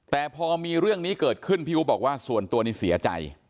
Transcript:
แต่พอมีเรื่องนี้เกิดขึ้นพี่อู๋บอกว่าส่วนตัวนี้เสียใจ